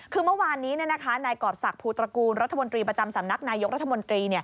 คือเมื่อวานนี้นายกรอบศักดิภูตระกูลรัฐมนตรีประจำสำนักนายกรัฐมนตรี